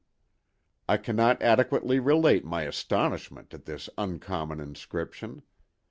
I cannot adequately relate my astonishment at this uncommon inscription!